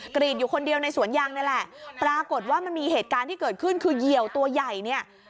กรีดอยู่คนเดียวในสวนยางนี่แหละปรากฏว่ามันมีเหตุการณ์ที่เกิดขึ้นคือเหยียวตัวใหญ่เนี่ย